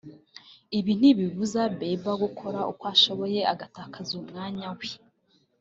Ibi ntibibuza Bieber gukora uko ashoboye agatakaza umwanya we